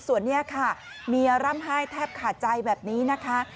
ส่วนนี้ค่ะเมียร่ำไห้แทบขาดใจแบบนี้นะคะ